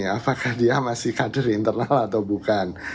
apakah dia masih kader internal atau bukan